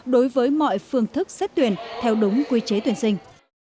đối với mọi phương thức xét tuyển theo đúng quy chế tuyển sinh